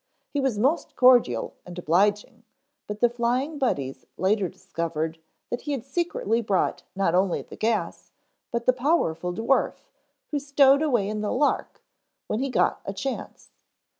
He was most cordial and obliging, but the Flying Buddies later discovered that he had secretly brought not only the gas but the powerful dwarf, who stowed away in the "Lark" when he got a chance.